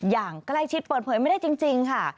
อย่างใกล้ชิดเปิดเผยไม่ได้จริงค่ะ